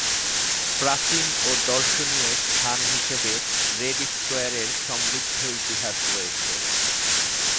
প্রাচীন ও দর্শনীয় স্থান হিসেবে রেড স্কয়ারের সমৃদ্ধ ইতিহাস রয়েছে।